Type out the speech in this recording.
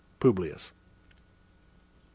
PUBLIUS 1.